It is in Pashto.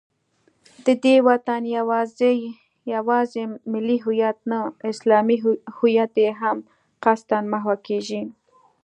د دې وطن یوازې ملي هویت نه، اسلامي هویت یې هم قصدا محوه کېږي